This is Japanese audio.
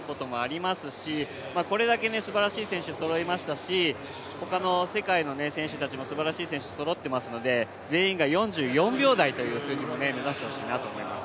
これだけすばらしい選手そろいましたし他の世界の選手もすばらしい選手そろってますので全員が４４秒台という数字も目指してほしいなと思います。